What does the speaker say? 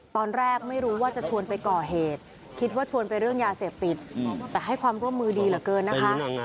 ตอนแรกไม่รู้ว่าจะชวนไปก่อเหตุคิดว่าชวนไปเรื่องยาเสพติดแต่ให้ความร่วมมือดีเหลือเกินนะคะ